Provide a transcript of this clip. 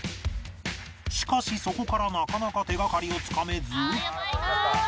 しかしそこからなかなか手掛かりをつかめず